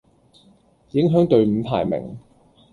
影響隊伍排名